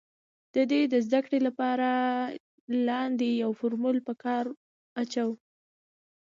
د دې د زده کړې له پاره لاندې يو فورمول په کار اچوو